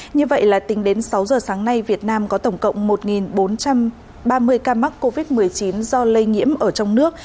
như vậy là tính đến sáu giờ sáng nay việt nam có tổng cộng một bốn trăm ba mươi ca mắc covid một mươi chín do lây nhiễm ở trong nước